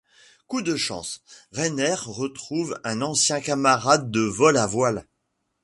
Coup de chance, Reinert retrouve un ancien camarade de vol à voile.